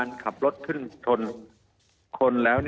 มีความรู้สึกว่ามีความรู้สึกว่า